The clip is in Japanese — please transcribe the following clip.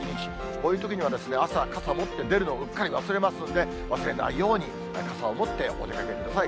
こういうときには朝、傘持って出るのを、うっかり忘れますので、忘れないように、傘を持ってお出かけください。